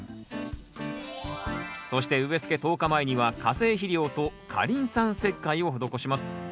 そして植えつけ１０日前には化成肥料と過リン酸石灰を施します。